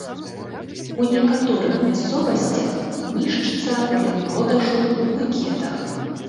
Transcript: У некаторых мясцовасцях нішчыцца для продажу ў букетах.